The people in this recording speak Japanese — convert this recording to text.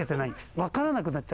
わからなくなっちゃう。